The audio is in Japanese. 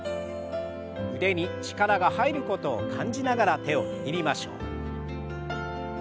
腕に力が入ることを感じながら手を握りましょう。